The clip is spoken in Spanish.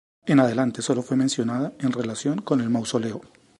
En adelante sólo fue mencionada en relación con el mausoleo.